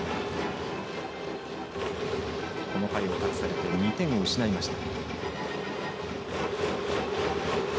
この回を託されて２点を失いました。